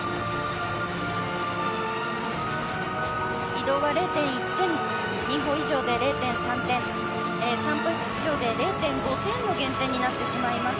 移動が０．１点２歩以上で０．３点３歩以上で０．５点の減点になってしまいます。